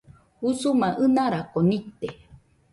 Usuma ɨnarako nite